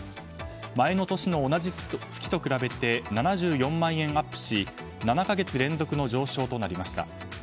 前の年の同じ月と比べて７４万円アップし７か月連続の上昇となりました。